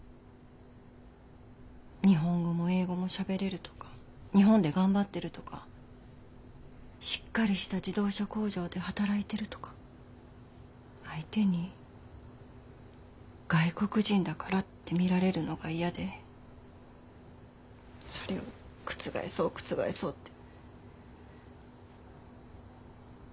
日本語も英語もしゃべれるとか日本で頑張ってるとかしっかりした自動車工場で働いてるとか相手に外国人だからって見られるのが嫌でそれを覆そう覆そうって。